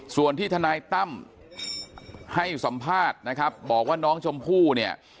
ส่วนที่ทนายตั้มให้สัมภาษณ์นะครับบอกว่าน้องชมพู่เนี่ย